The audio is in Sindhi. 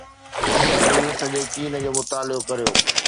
پهرين سڄي چين جو مطالعو ڪريو.